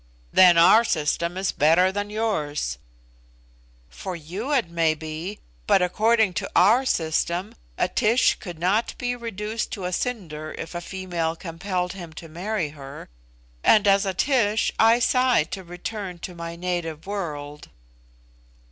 "Then our system is better than yours." "For you it may be; but according to our system a Tish could not be reduced to a cinder if a female compelled him to marry her; and as a Tish I sigh to return to my native world."